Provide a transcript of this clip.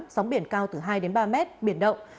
sóng biển cao từ hai đến ba mét biển động